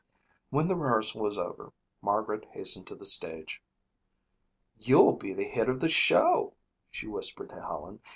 When the rehearsal was over, Margaret hastened to the stage. "You'll be the hit of the show," she whispered to Helen.